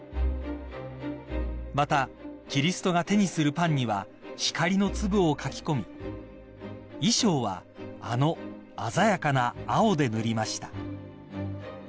［またキリストが手にするパンには光の粒を描き込み衣装はあの鮮やかな青で塗りました］